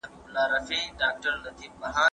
غوره بریا یوازي مستحقو ته نه سي منسوبېدلای.